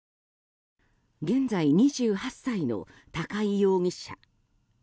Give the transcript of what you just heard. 現在２８歳の高井容疑者。